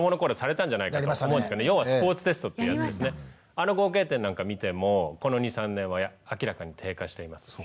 あの合計点なんか見てもこの２３年は明らかに低下していますし。